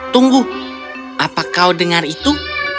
tunggu apa kau dengar itu